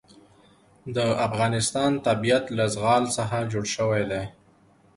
د افغانستان طبیعت له زغال څخه جوړ شوی دی.